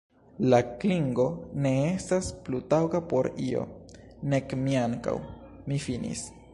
La klingo ne estas plu taŭga por io, nek mi ankaŭ; mi finis.